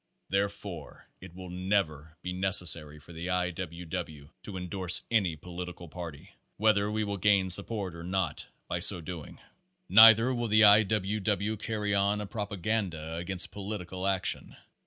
Therefore it will never be necessary for the I. W. W. to endorse any political party, whether we will gain support or not by so doing. Neither will the I. W. W. carry on a propaganda against political action.